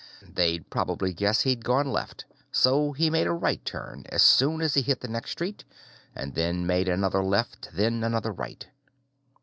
They'd probably guess he'd gone left, so he made a right turn as soon as he hit the next street, and then made another left, then another right.